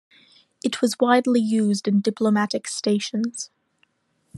It was widely used in diplomatic stations.